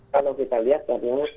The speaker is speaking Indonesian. kalau kita lihat